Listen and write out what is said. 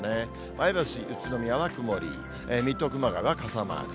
前橋、宇都宮は曇り、水戸、熊谷は傘マーク。